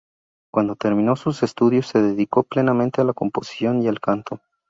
Cuando terminó sus estudios, se dedicó plenamente a la composición y al canto.